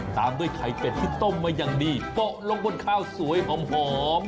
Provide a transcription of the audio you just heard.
ตามด้วยไข่เป็ดที่ต้มมาอย่างดีเกาะลงบนข้าวสวยหอม